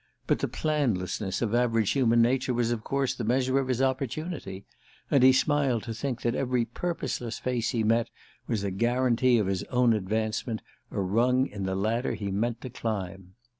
But the planlessness of average human nature was of course the measure of his opportunity; and he smiled to think that every purposeless face he met was a guarantee of his own advancement, a rung in the ladder he meant to climb.